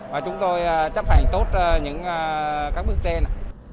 và chúng tôi chấp hành tốt các bước trên